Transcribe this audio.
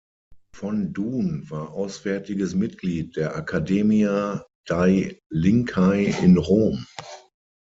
Von Duhn war auswärtiges Mitglied der Accademia dei Lincei in Rom.